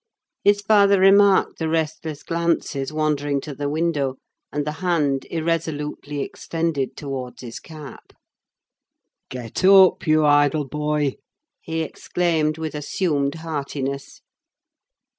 His father remarked the restless glances wandering to the window, and the hand irresolutely extended towards his cap. "Get up, you idle boy!" he exclaimed, with assumed heartiness.